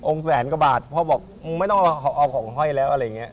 แสนกว่าบาทพ่อบอกมึงไม่ต้องเอาของห้อยแล้วอะไรอย่างนี้